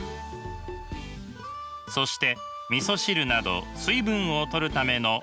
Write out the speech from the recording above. そしてみそ汁など水分をとるための汁物。